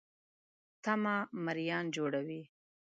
تمه مریان جوړوي.